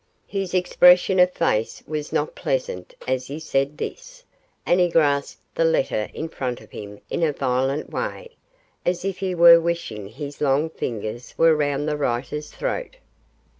His expression of face was not pleasant as he said this, and he grasped the letter in front of him in a violent way, as if he were wishing his long fingers were round the writer's throat.